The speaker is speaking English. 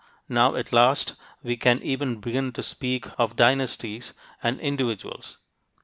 Now, at last, we can even begin to speak of dynasties and individuals.